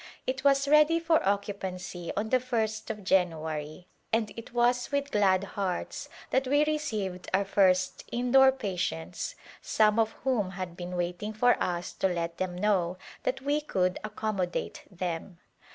It was ready for occupancy on the ist of January, and it was with glad hearts that we received our first indoor patients, some of whom had been waiting for us to let them know that we could accommodate them.